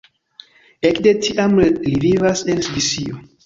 Ekde tiam li vivas en Svisio.